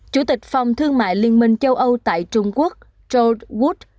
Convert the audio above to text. chủ tịch phòng thương mại liên minh châu âu tại trung quốc charles wood